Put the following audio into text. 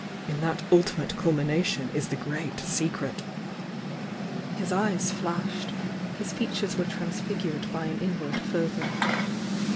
In that 'ultimate culmination' is the Great Secret!" His eyes flashed, — his features were transfigured by an inward fervour.